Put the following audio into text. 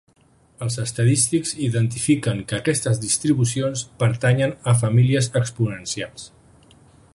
Els estadístics identifiquen que aquestes distribucions pertanyen a famílies exponencials.